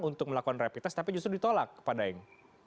untuk melakukan rapid test tapi justru ditolak padaeng